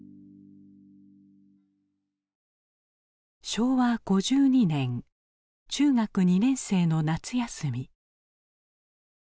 昭和５２年中学２年生の夏休み。